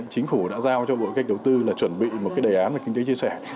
chính phủ đã giao cho bộ cách đầu tư là chuẩn bị một đề án về kinh tế chia sẻ